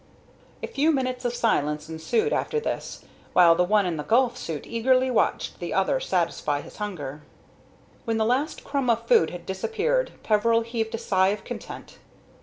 A few minutes of silence ensued after this, while the one in the golf suit eagerly watched the other satisfy his hunger. When the last crumb of food had disappeared, Peveril heaved a sigh of content.